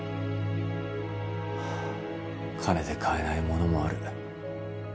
金で買えないものもある。